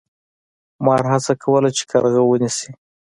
مار هڅه کوله چې کارغه ونیسي.